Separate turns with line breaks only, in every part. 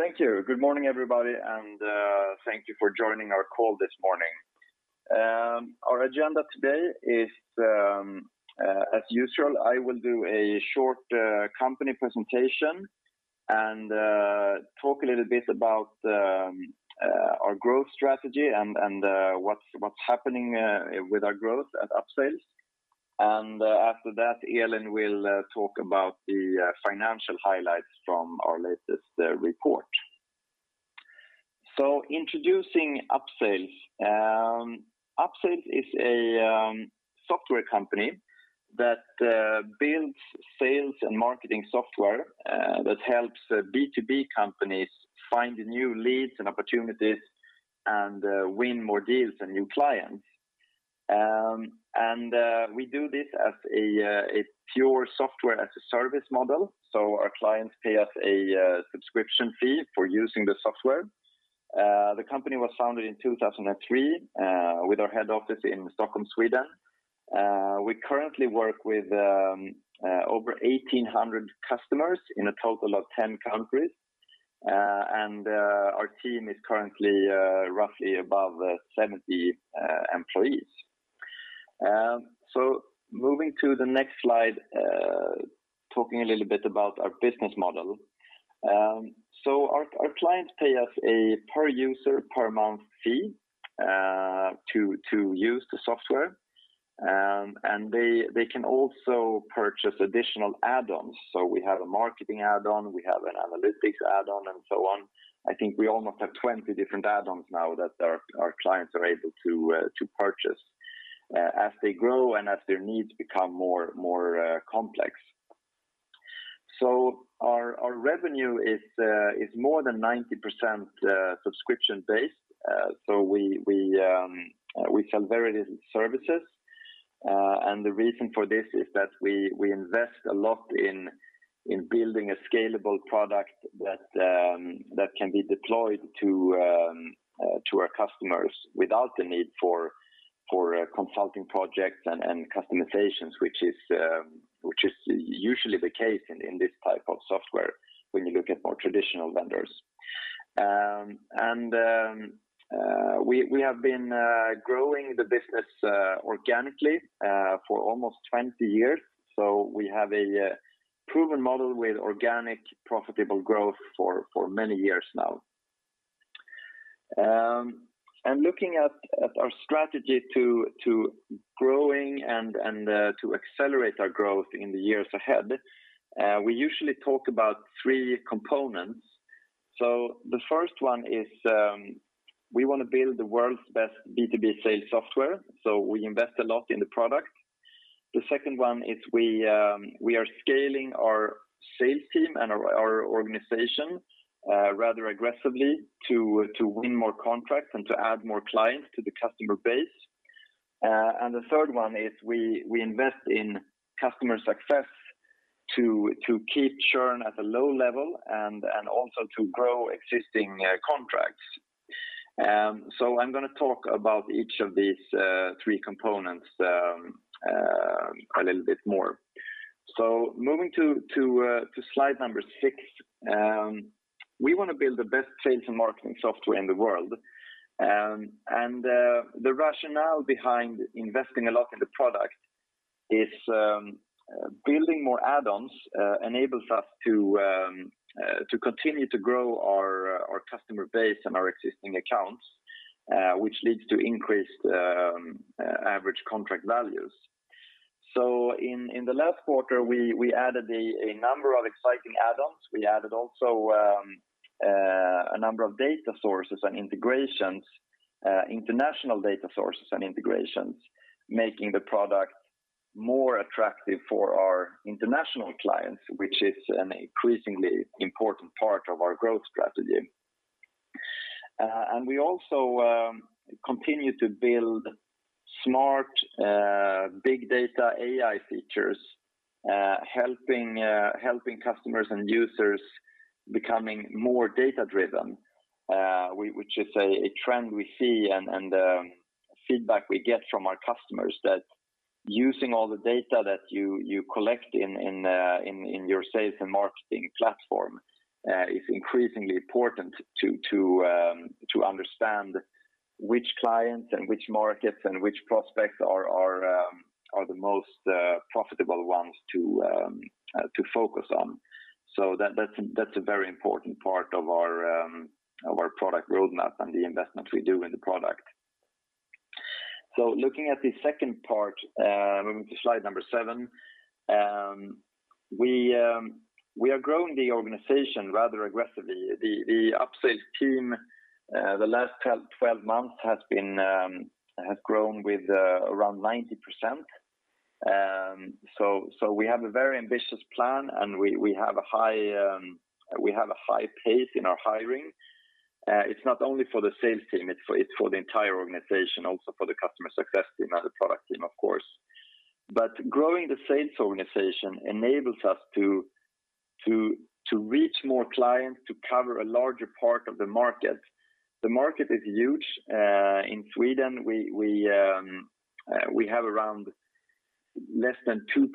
Thank you. Good morning, everybody, and thank you for joining our call this morning. Our agenda today is, as usual, I will do a short company presentation and talk a little bit about our growth strategy and what's happening with our growth at Upsales. After that, Elin will talk about the financial highlights from our latest report. Introducing Upsales. Upsales is a software company that builds sales and marketing software that helps B2B companies find new leads and opportunities and win more deals and new clients. We do this as a pure software as a service model, so our clients pay us a subscription fee for using the software. The company was founded in 2003 with our head office in Stockholm, Sweden. We currently work with over 1,800 customers in a total of 10 countries. Our team is currently roughly above 70 employees. Moving to the next slide, talking a little bit about our business model. Our clients pay us a per user per month fee to use the software. They can also purchase additional add-ons. We have a marketing add-on, we have an analytics add-on, and so on. I think we almost have 20 different add-ons now that our clients are able to purchase as they grow and as their needs become more complex. Our revenue is more than 90% subscription-based. We sell very little services. The reason for this is that we invest a lot in building a scalable product that can be deployed to our customers without the need for consulting projects and customizations, which is usually the case in this type of software when you look at more traditional vendors. We have been growing the business organically for almost 20 years. We have a proven model with organic, profitable growth for many years now. Looking at our strategy to growing and to accelerate our growth in the years ahead, we usually talk about three components. The first one is we want to build the world's best B2B sales software. We invest a lot in the product. The second one is we are scaling our sales team and our organization rather aggressively to win more contracts and to add more clients to the customer base. The third one is we invest in customer success to keep churn at a low level and also to grow existing contracts. I'm going to talk about each of these three components a little bit more. Moving to slide number six. We want to build the best sales and marketing software in the world. The rationale behind investing a lot in the product is building more add-ons enables us to continue to grow our customer base and our existing accounts, which leads to increased average contract values. In the last quarter, we added a number of exciting add-ons. We added also a number of data sources and integrations, international data sources and integrations, making the product more attractive for our international clients, which is an increasingly important part of our growth strategy. We also continue to build smart big data AI features, helping customers and users becoming more data-driven, which is a trend we see and feedback we get from our customers that using all the data that you collect in your sales and marketing platform is increasingly important to understand which clients and which markets and which prospects are the most profitable ones to focus on. That's a very important part of our product roadmap and the investment we do in the product. Looking at the second part, moving to slide number seven. We are growing the organization rather aggressively. The Upsales team, the last 12 months has grown with around 90%. We have a very ambitious plan, and we have a high pace in our hiring. It's not only for the sales team, it's for the entire organization, also for the customer success team and the product team, of course. Growing the sales organization enables us to reach more clients to cover a larger part of the market. The market is huge. In Sweden, we have less than 2%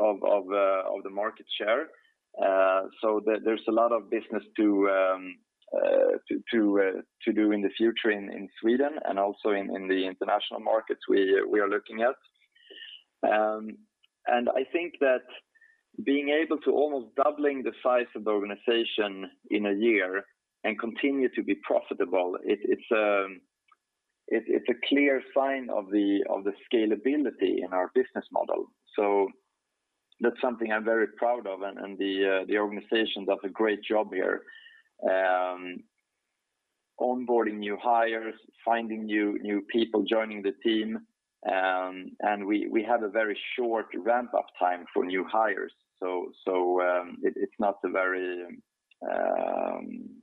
of the market share. There's a lot of business to do in the future in Sweden and also in the international markets we are looking at. I think that being able to almost doubling the size of the organization in a year and continue to be profitable, it's a clear sign of the scalability in our business model. That's something I'm very proud of, and the organization does a great job here. Onboarding new hires, finding new people joining the team, and we have a very short ramp-up time for new hires.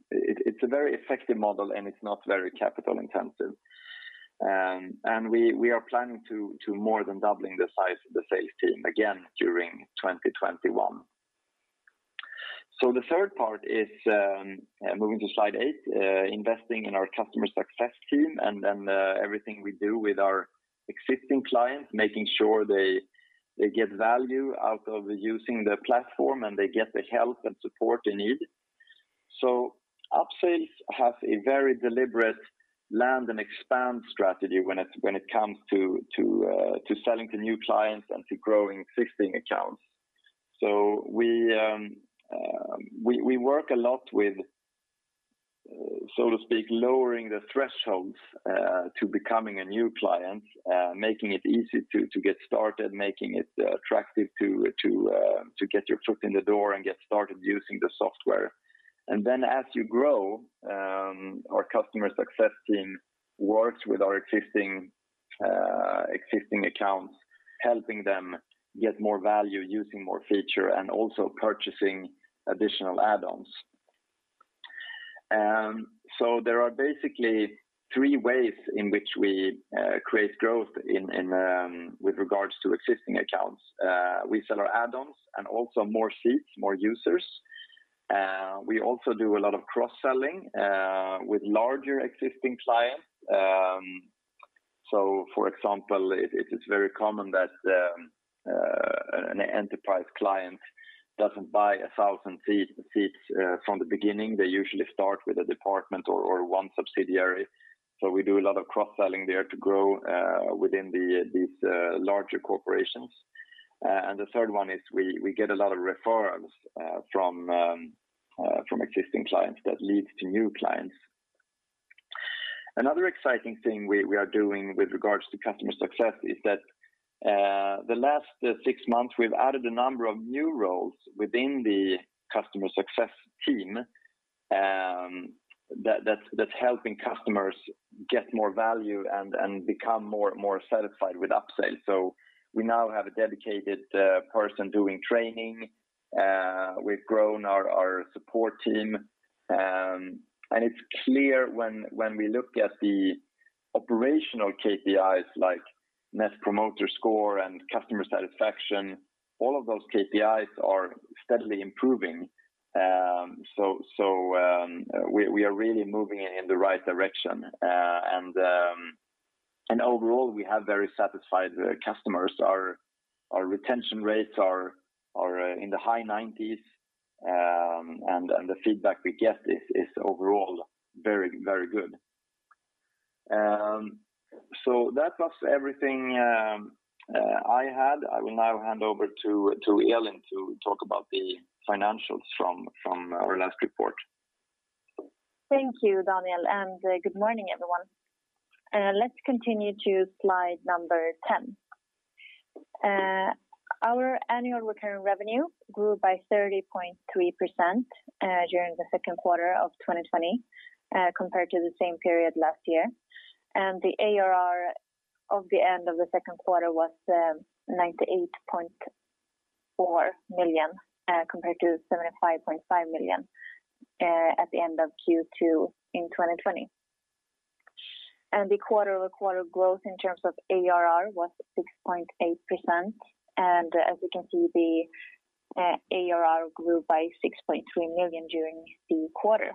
It's a very effective model and it's not very capital intensive. We are planning to more than doubling the size of the sales team again during 2021. The third part is, moving to slide eight, investing in our customer success team and then everything we do with our existing clients, making sure they get value out of using the platform, and they get the help and support they need. Upsales has a very deliberate land and expand strategy when it comes to selling to new clients and to growing existing accounts. We work a lot with, so to speak, lowering the thresholds to becoming a new client, making it easy to get started, making it attractive to get your foot in the door and get started using the software. As you grow, our customer success team works with our existing accounts, helping them get more value, using more features, and also purchasing additional add-ons. There are basically three ways in which we create growth with regards to existing accounts. We sell our add-ons and also more seats, more users. We also do a lot of cross-selling with larger existing clients. For example, it is very common that an enterprise client doesn't buy a thousand seats from the beginning. They usually start with a department or one subsidiary. We do a lot of cross-selling there to grow within these larger corporations. The third one is we get a lot of referrals from existing clients that lead to new clients. Another exciting thing we are doing with regards to customer success is that the last six months, we've added a number of new roles within the customer success team that's helping customers get more value and become more satisfied with Upsales. We now have a dedicated person doing training. We've grown our support team. It's clear when we look at the operational KPIs like Net Promoter Score and customer satisfaction, all of those KPIs are steadily improving. We are really moving in the right direction. Overall, we have very satisfied customers. Our retention rates are in the high 90s. The feedback we get is overall very good. That was everything I had. I will now hand over to Elin to talk about the financials from our last report.
Thank you, Daniel. Good morning, everyone. Let's continue to slide number 10. Our annual recurring revenue grew by 30.3% during the second quarter of 2021 compared to the same period last year. The ARR of the end of the second quarter was 98.4 million compared to 75.5 million at the end of Q2 in 2020. The quarter-over-quarter growth in terms of ARR was 6.8%. As you can see, the ARR grew by 6.3 million during the quarter.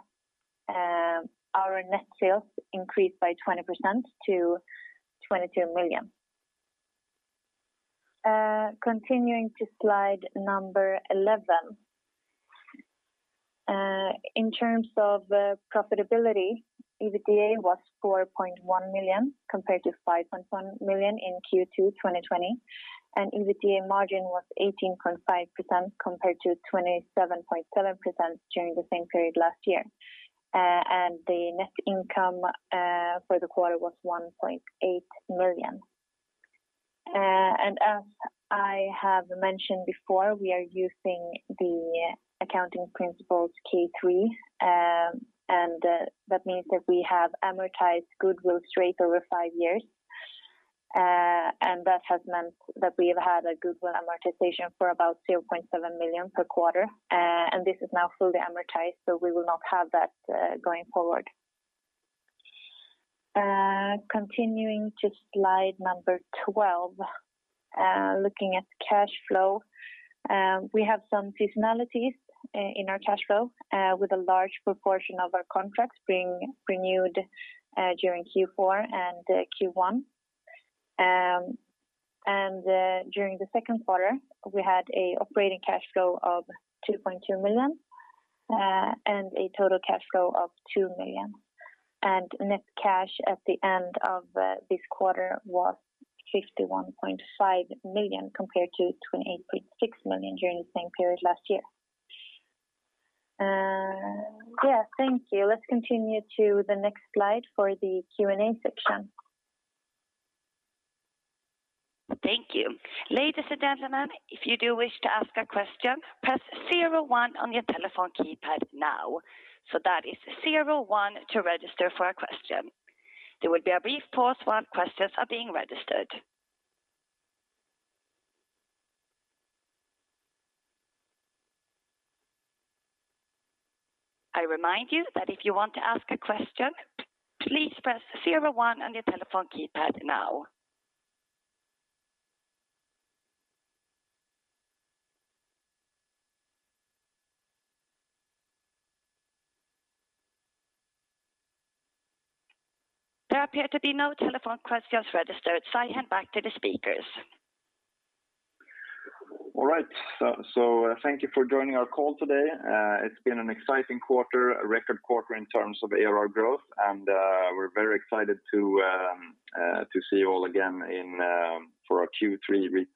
Our net sales increased by 20% to 22 million. Continuing to slide number 11. In terms of profitability, EBITDA was 4.1 million compared to 5.1 million in Q2 2020. EBITDA margin was 18.5% compared to 27.7% during the same period last year. The net income for the quarter was 1.8 million. As I have mentioned before, we are using the accounting principles K3, and that means that we have amortized goodwill straight over five years. That has meant that we've had a goodwill amortization for about 0.7 million per quarter. This is now fully amortized, we will not have that going forward. Continuing to slide number 12. Looking at cash flow, we have some seasonalities in our cash flow, with a large proportion of our contracts being renewed during Q4 and Q1. During the second quarter, we had an operating cash flow of 2.2 million and a total cash flow of 2 million. Net cash at the end of this quarter was 51.5 million compared to 28.6 million during the same period last year. Yeah, thank you. Let's continue to the next slide for the Q&A section.
Thank you. Ladies and gentlemen, if you do wish to ask a question, press zero one on your telephone keypad now. That is zero one to register for a question. There will be a brief pause while questions are being registered. I remind you that if you want to ask a question, please press zero one on your telephone keypad now. There appear to be no telephone questions registered, I hand back to the speakers.
All right. Thank you for joining our call today. It's been an exciting quarter, a record quarter in terms of ARR growth, and we're very excited to see you all again for our Q3 report.